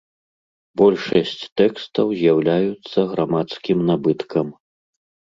Большасць тэкстаў з'яўляюцца грамадскім набыткам.